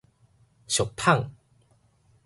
俗麭